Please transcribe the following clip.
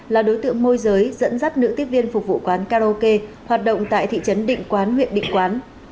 là đối tượng môi giới dẫn dắt nữ tiếp viên phục vụ quán karaoke hoạt động tại thị trấn định quán huyện định quán